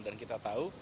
dan kita tahu